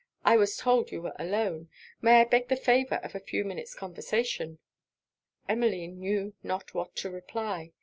I was told you were alone: may I beg the favour of a few minutes conversation?' Emmeline knew not what to reply.